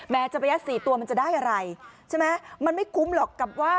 จะไปยัด๔ตัวมันจะได้อะไรใช่ไหมมันไม่คุ้มหรอกกับว่า